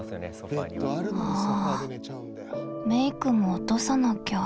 ああメークも落とさなきゃ。